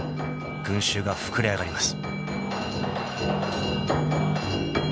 ［群衆が膨れ上がります］